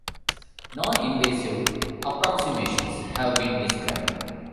Noninvasive approximations have been described.